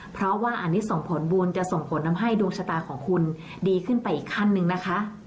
เพราะว่าอันนี้ส่งผลบุญจะส่งผลทำให้ดวงชะตาของคุณดีขึ้นไปอีกขั้นหนึ่งนะคะ